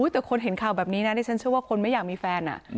แต่คนเห็นข่าวแบบนี้นะดิฉันเชื่อว่าคนไม่อยากมีแฟน